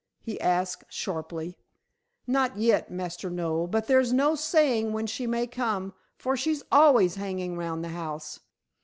he asked sharply. "Not yet, Master Noel, but there's no saying when she may come, for she's always hanging round the house.